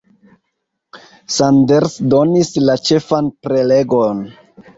Sanders donis la ĉefan prelegon.